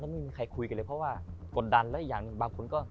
แล้วไม่มีใครคุยกันเลยเพราะว่ากดดันแล้วอย่างบางคนก็